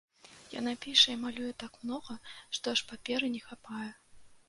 Яна піша і малюе так многа, што аж паперы не хапае.